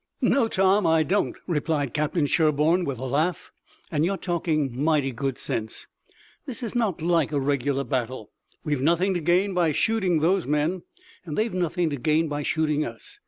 "No, Tom, I don't," replied Captain Sherburne with a laugh, "and you're talking mighty sound sense. This is not like a regular battle. We've nothing to gain by shooting those men, and they've nothing to gain by shooting us.